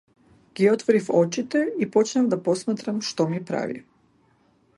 Ги отворив очите и почнав да посматрам што ми прави.